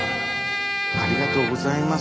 ありがとうございます。